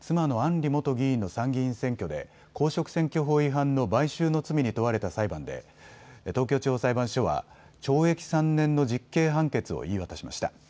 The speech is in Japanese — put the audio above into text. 里元議員の参議院選挙で公職選挙法違反の買収の罪に問われた裁判で東京地方裁判所は懲役３年の実刑判決を言い渡しました。